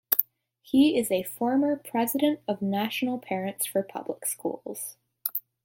He is a former President of National Parents for Public Schools.